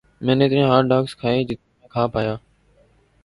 میں نے اتنے ہاٹ ڈاگز کھائیں جتنے میں کھا پایا